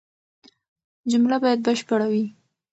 جمله بايد بشپړه وي.